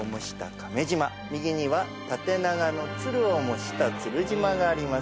右には縦長の鶴を模した鶴島があります。